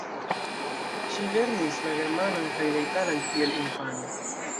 Ŝi lernis la germanan kaj la italan kiel infano.